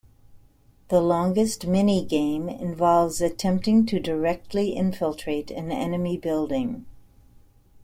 The longest mini-game involves attempting to directly infiltrate an enemy building.